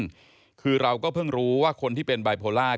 ซึ่งคือเราก็เพิ่งรู้ว่าคนที่เป็นบายโพล่า